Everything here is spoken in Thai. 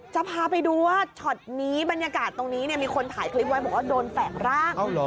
จะพาไปดูว่าช็อตนี้บรรยากาศตรงนี้มีคนถ่ายคลิปไว้บอกว่าโดนแฝงร่าง